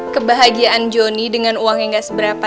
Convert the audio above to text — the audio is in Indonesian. kebahagiaan joni dengan uang yang gak seberapa